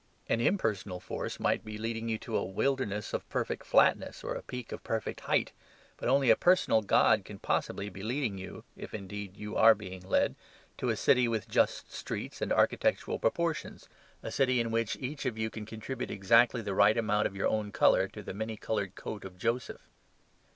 An impersonal force might be leading you to a wilderness of perfect flatness or a peak of perfect height. But only a personal God can possibly be leading you (if, indeed, you are being led) to a city with just streets and architectural proportions, a city in which each of you can contribute exactly the right amount of your own colour to the many coloured coat of Joseph."